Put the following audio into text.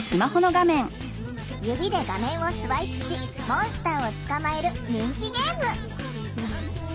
指で画面をスワイプしモンスターを捕まえる人気ゲーム。